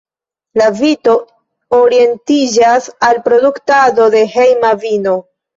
La vito orientiĝas al produktado de hejma vino.